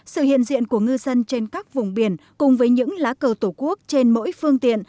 sự hiện diện của ngư dân trên các vùng biển cùng với những lá cờ tổ quốc trên mỗi phương tiện